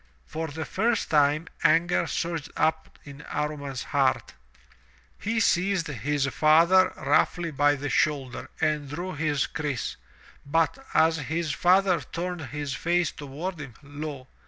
For the first time anger surged up in Amman's heart. He seized his father 203 M Y BOOK HOUSE iWlf roughly by the shoulder and drew his kriss, but as his father turned his face toward him, lo!